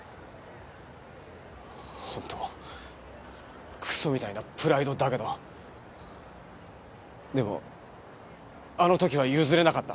ホントクソみたいなプライドだけどでもあの時は譲れなかった。